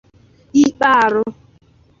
Ịkpụ arụ